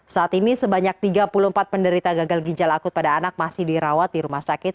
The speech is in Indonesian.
saat ini sebanyak tiga puluh empat penderita gagal ginjal akut pada anak masih dirawat di rumah sakit